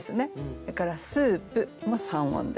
それから「スープ」も三音です。